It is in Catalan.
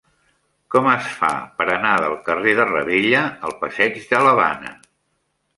Com es fa per anar del carrer de Ravella al passeig de l'Havana?